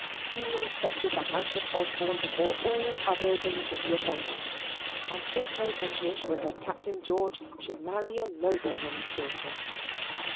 He respected the house of Osborne before all others in the City of London: and his hope and wish was that Captain George should marry a nobleman's daughter.